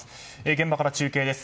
現場から中継です。